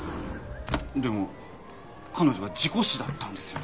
でも彼女は事故死だったんですよね？